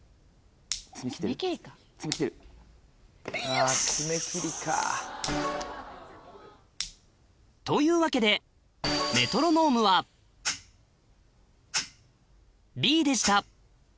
あ爪切りか。というわけでメトロノームはＢでした